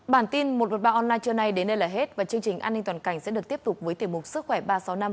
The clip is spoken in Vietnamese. bản tin một trăm một mươi ba online trưa nay đến đây là hết và chương trình an ninh toàn cảnh sẽ được tiếp tục với tiểu mục sức khỏe ba trăm sáu mươi năm